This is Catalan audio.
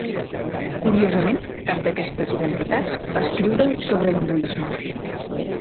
Curiosament, cap d'aquestes identitats va escriure sobre hinduisme.